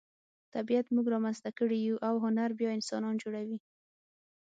طبیعت موږ را منځته کړي یو او هنر بیا انسانان جوړوي.